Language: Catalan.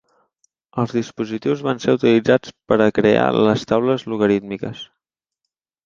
Els dispositius van ser utilitzats per a crear les taules logarítmiques.